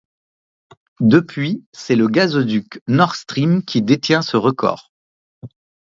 Depuis c'est le gazoduc Nord Stream qui détient ce record.